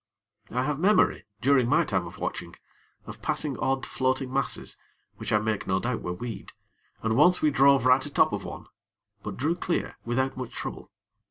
I have memory, during my time of watching, of passing odd floating masses, which I make no doubt were weed, and once we drove right atop of one; but drew clear without much trouble.